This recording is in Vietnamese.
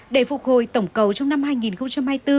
để phục hồi tổng cầu trong năm hai nghìn hai mươi bốn